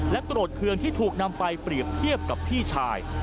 โกรธเคืองที่ถูกนำไปเปรียบเทียบกับพี่ชาย